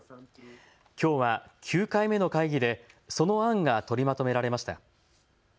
きょうは９回目の会議でその案が取りまとめられました。